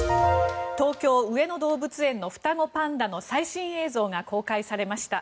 東京・上野動物園の双子パンダの最新映像が公開されました。